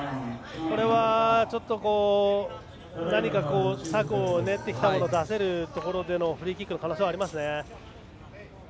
これは、ちょっと何か策を練ってきたものを出せるところでのフリーキックの可能性はあります。